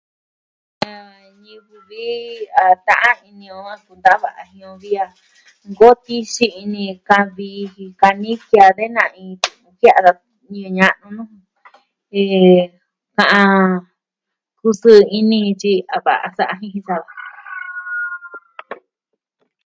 Da ñivɨ vi a ta'an ini o a kunta'an va'a jin on vi a nkoo kisɨ ini ka vi jin kanijia de na iin tu'un jia'a da ñivɨ ña'nu nuu eh... ka'an... kusɨɨ ini ityi a va'a sa'a jin jin sa va.